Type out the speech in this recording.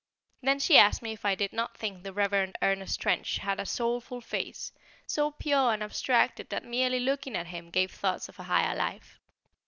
Then she asked me if I did not think the Reverend Ernest Trench had a "soulful face," so pure and abstracted that merely looking at him gave thoughts of a higher life.